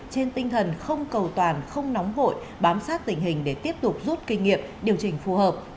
trên tinh thần không cầu toàn không nóng vội bám sát tình hình để tiếp tục rút kinh nghiệm điều chỉnh phù hợp